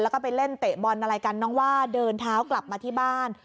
แล้วก็ไปเล่นเตะบอลอะไรกันน้องว่าเดินเท้ากลับมาที่บ้าน